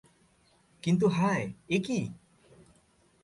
কিন্তু হায়, এ কী!